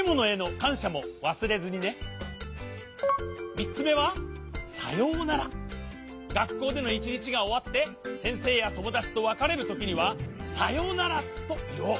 みっつめはがっこうでの１にちがおわってせんせいやともだちとわかれるときには「さようなら」といおう。